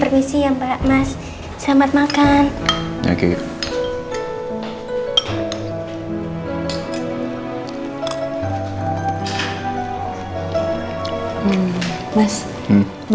masaknya juga sama